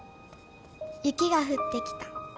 「雪が降ってきた。